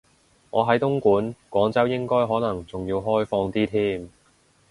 我喺東莞，廣州應該可能仲要開放啲添